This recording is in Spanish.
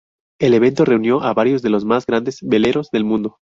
El evento reunió a varios de los más grandes veleros del mundo.